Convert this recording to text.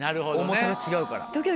重さが違うから。